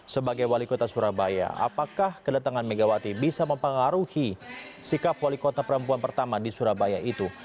sebagai wali kota surabaya apakah kedatangan megawati bisa mempengaruhi sikap wali kota perempuan pertama di surabaya itu